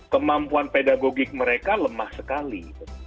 kemampuan pedagogik mereka lemah sekali